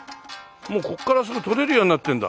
もうここからすぐ取れるようになってるんだ。